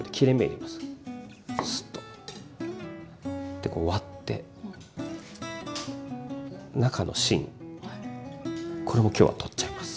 でこう割って中の芯これも今日は取っちゃいます。